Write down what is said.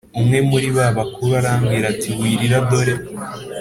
Umwe muri ba bakuru arambwira ati Wirira dore